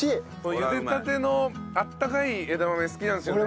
ゆでたての温かい枝豆好きなんですよね。